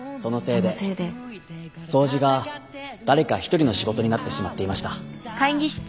そのせいで掃除が誰か１人の仕事になってしまっていました。